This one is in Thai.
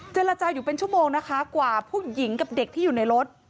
เจรจาอยู่เป็นชั่วโมงนะคะกว่าผู้หญิงกับเด็กที่อยู่ในรถ